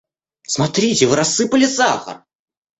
Смотрите, вы рассыпали сахар!